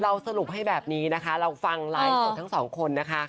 สรุปให้แบบนี้นะคะเราฟังไลฟ์สดทั้งสองคนนะคะ